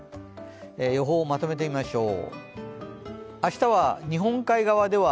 予報をまとめてみましょう。